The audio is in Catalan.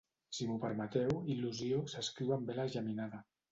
Si m'ho permeteu, il·lusió s'escriu amb ela geminada.